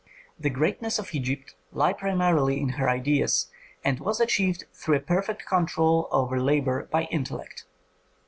The greatness of Egypt lay primarily in her ideas, and was achieved through a perfect control over labor by intellect.